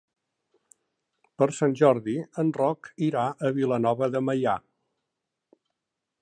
Per Sant Jordi en Roc irà a Vilanova de Meià.